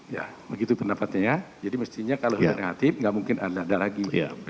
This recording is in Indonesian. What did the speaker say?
ya begitu pendapatnya ya jadi mestinya kalau sudah negatif nggak mungkin ada lagi